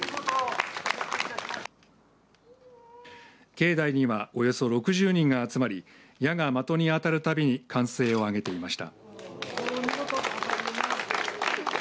境内には、およそ６０人が集まり矢が的に当たるたびに歓声を上げていました。